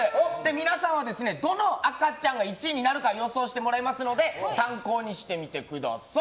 皆さんは、どの赤ちゃんが１位になるか予想していただくので参考にしてみてください。